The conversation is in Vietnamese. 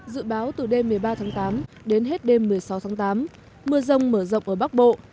dự báo từ đêm một mươi ba tháng tám đến hết đêm một mươi sáu tháng tám mưa rông mở rộng ở bắc bộ